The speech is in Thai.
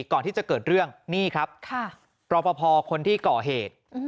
ก่อนที่จะเกิดเรื่องนี่ครับค่ะประมาณพอคนที่เกาะเหตุ